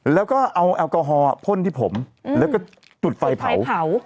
แล้วก็เอาแอลกอฮอล์พ่นที่ผมแล้วก็จุดไฟเผา